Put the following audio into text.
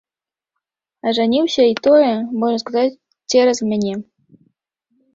Ажаніўся і тое, можна сказаць, цераз мяне.